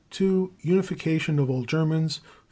Unification of all Germans.